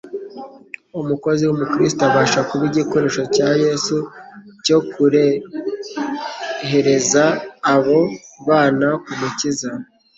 Umukozi w'umukristo abasha kuba igikoresho cya Yesu cyo kurehereza abo bana ku Mukiza.